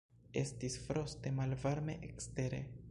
Estis froste malvarme ekstere.